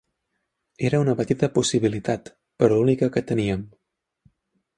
Era una petita possibilitat, però l'única que teníem.